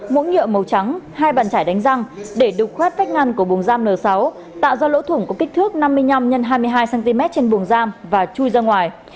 muỗng nhựa màu trắng hai bàn chải đánh răng để đục khoét vách ngăn của bùng giam n sáu tạo ra lỗ thủng có kích thước năm mươi năm x hai mươi hai cm trên bùng giam và chui ra ngoài